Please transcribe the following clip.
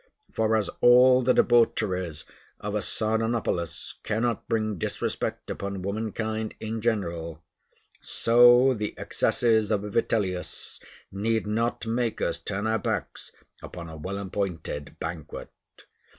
For, as all the debaucheries of a Sardanapalus cannot bring disrespect upon womankind in general, so the excesses of a Vitellius need not make us turn our backs upon a well appointed banquet.